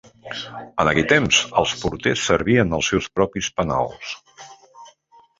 En aquell temps, els porters servien els seus propis penals.